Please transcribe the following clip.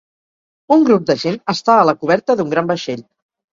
Un grup de gent està a la coberta d'un gran vaixell.